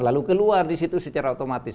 lalu keluar disitu secara otomatis